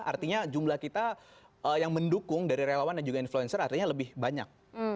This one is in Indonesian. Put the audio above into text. artinya jumlah kita yang mendukung dari relawan dan juga influencer artinya lebih banyak